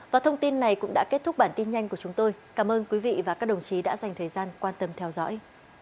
và thông tin này cũng đã kết thúc bản tin nhanh của chúng tôi cảm ơn quý vị và các đồng chí đã dành thời gian quan tâm theo dõi